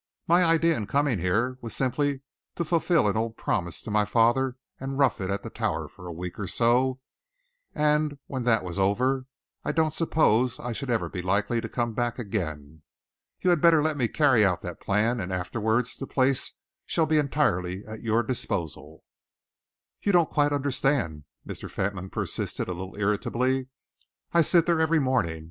My idea in coming here was simply to fulfil an old promise to my father and to rough it at the Tower for a week or so, and when that was over, I don't suppose I should ever be likely to come back again. You had better let me carry out that plan, and afterwards the place shall be entirely at your disposal." "You don't quite understand," Mr. Fentolin persisted, a little irritably. "I sit there every morning.